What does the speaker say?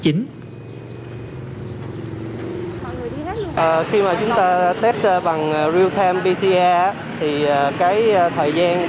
khi mà chúng ta test bằng real time pter thì cái thời gian